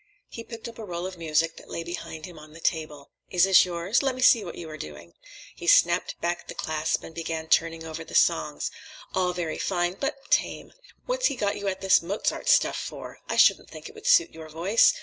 He picked up a roll of music that lay behind him on the table. "Is this yours? Let me see what you are doing." He snapped back the clasp and began turning over the songs. "All very fine, but tame. What's he got you at this Mozart stuff for? I shouldn't think it would suit your voice.